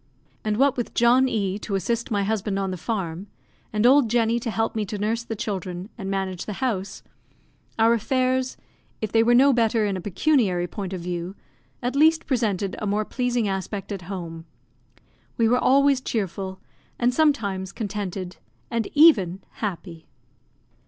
And what with John E to assist my husband on the farm, and old Jenny to help me to nurse the children, and manage the house, our affairs, if they were no better in a pecuniary point of view, at least presented a more pleasing aspect at home. We were always cheerful, and sometimes contented and even happy.